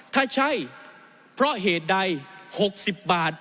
ถ้าใช่เพราะเหตุใด๖๐บาท